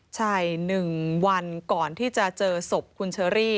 ใช่๑วันก่อนที่จะเจอสบฮุนเชอริ